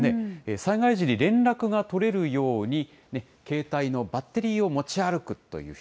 災害時に連絡が取れるように、携帯のバッテリーを持ち歩くという人。